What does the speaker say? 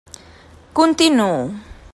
Continuo.